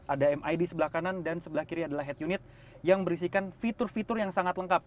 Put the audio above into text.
ada mid sebelah kanan dan sebelah kiri adalah head unit yang berisikan fitur fitur yang sangat lengkap